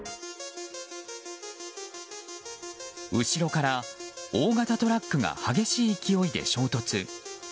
後ろから大型トラックが激しい勢いで衝突。